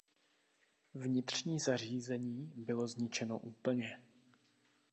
Vnitřní zařízení bylo zničeno úplně.